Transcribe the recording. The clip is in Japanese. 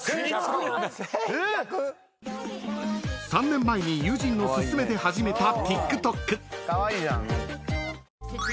［３年前に友人の勧めで始めたＴｉｋＴｏｋ］